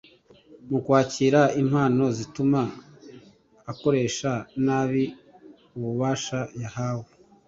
Mu kwakira impano zituma akoresha nabi ububasha yahawe